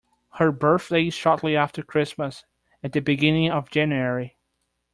Her birthday is shortly after Christmas, at the beginning of January